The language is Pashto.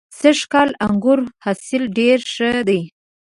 سږ کال د انګورو حاصل ډېر ښه دی.